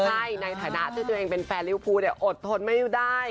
ใช่ในฐานะที่ตัวเองเป็นแฟนริวภูเนี่ยอดทนไม่ได้